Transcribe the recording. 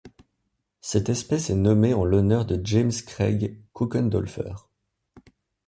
Cette espèce est nommée en l'honneur de James Craig Cokendolpher.